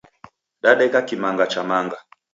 Dadeka kimanga cha manga.